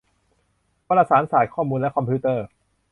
วารสารศาสตร์ ข้อมูล และคอมพิวเตอร์